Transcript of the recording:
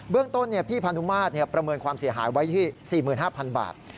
เรื่องต้นพี่พานุมาตรประเมินความเสียหายไว้ที่๔๕๐๐บาท